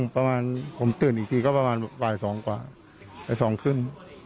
ประมาณปลายสองกว่าแบบสองขึ้น